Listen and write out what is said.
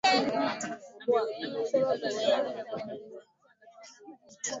muziki uliorekodiwa na vipindi mbalimbali kutokea mjini Monrovia Liberia